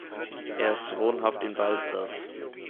Er ist wohnhaft in Balzers.